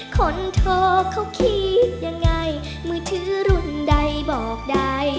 คนโทรเขาคิดยังไงมือถือรุ่นใดบอกได้